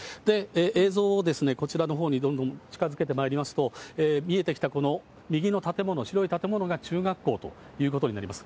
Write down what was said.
映像をこちらのほうにどんどん近づけてまいりますと、見えてきたこの右の建物、白い建物が中学校ということになります。